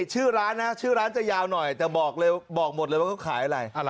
ชื่อร้านจะยาวหน่อยแต่บอกหมดเลยว่าเขาขายอะไร